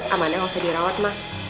aman yang harus dirawat mas